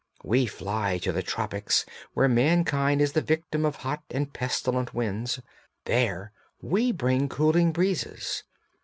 We fly to the tropics where mankind is the victim of hot and pestilent winds; there we bring cooling breezes.